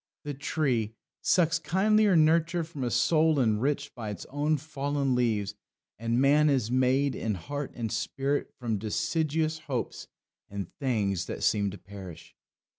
"The tree Sucks kindlier nurture from a soil enriched By its own fallen leaves; and man is made, In heart and spirit, from deciduous hopes And things that seem to perish."